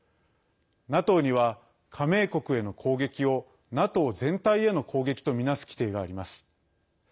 ＮＡＴＯには、加盟国への攻撃をＮＡＴＯ全体への攻撃とみなす規定があります。